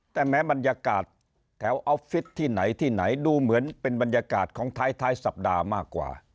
แต่แม้บรรยากาศแถวออฟฟิศที่ไหนที่ไหนดูเหมือนเป็นบรรยากาศของท้ายสัปดาห์มากกว่า